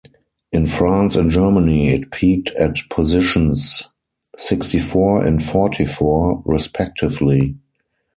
In France and Germany, it peaked at positions sixty-four and forty-four, respectively.